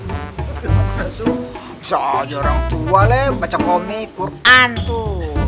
termasuk bisa aja orang tua leh baca komik quran tuh